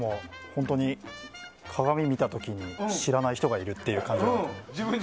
本当に、鏡を見た時に知らない人がいるって感じで。